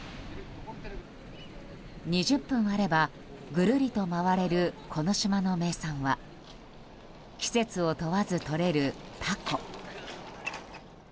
２０分あれば、ぐるりと回れるこの島の名産は季節を問わず、とれるタコ。